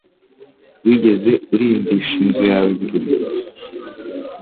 Wigeze urimbisha inzu yawe ibirori?